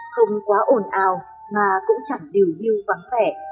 không quá ồn ào mà cũng chẳng điều như vắng vẻ